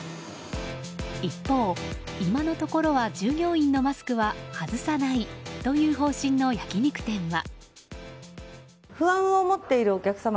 一方、今のところは従業員のマスクは外さないという方針の焼き肉店は。